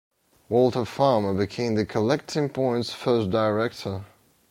Walter Farmer became the collecting point's first director.